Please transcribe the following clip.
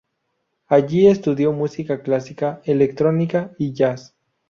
Allí estudió música clásica, electrónica y jazz.